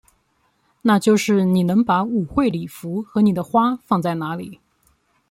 那就是你能把舞会礼服和你的花放在哪里？